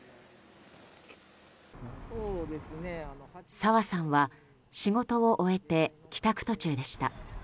澤さんは仕事を終えて帰宅途中でした。